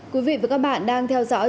cảm ơn các bạn đã theo dõi